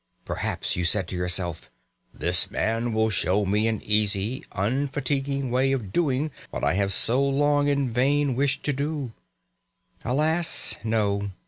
Perhaps you said to yourself, "This man will show me an easy, unfatiguing way of doing what I have so long in vain wished to do." Alas, no!